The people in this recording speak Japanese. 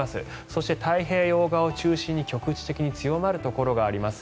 そして太平洋側を中心に局地的に強まるところがあります。